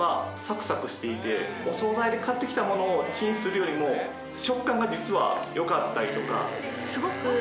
お惣菜で買ってきたものをチンするよりも食感が実は良かったりとか。